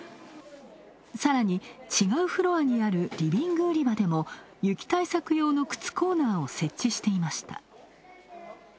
さらに違うフロアにあるリビング売り場でも雪対策用の靴コーナーを設置していました。